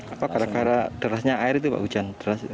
apa gara gara derasnya air itu pak hujan deras